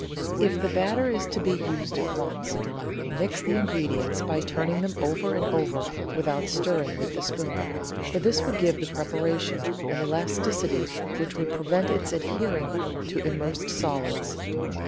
If the batter is to be used at once mix the ingredients by turning them over and over with out stirring with the spoon, for this would give the preparation an elasticity which would prevent its adhering to immersed solids.